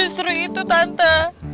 justru itu tante